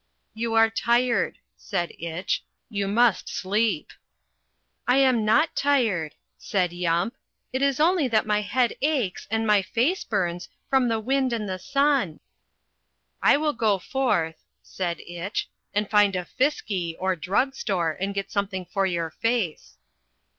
"You are tired," said Itch. "You must sleep." "I am not tired," said Yump. "It is only that my head aches and my face burns from the wind and the sun." "I will go forth," said Itch, "and find a fisski, or drug store, and get something for your face."